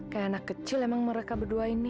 kayak anak kecil emang mereka berdua ini